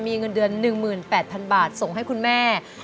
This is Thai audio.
มีเงินเดือน๑หมื่น๘พันบาทส่งให้คุณแม่